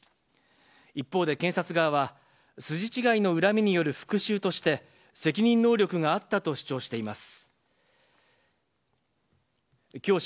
一方で検察側は、筋違いの恨みによる復しゅうとして、責任能力があったと主張しています。